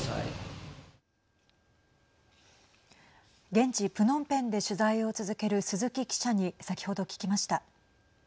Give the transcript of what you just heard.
現地プノンペンで取材を続ける鈴木記者に先ほど聞きました。